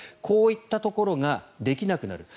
こういったところができなくなる。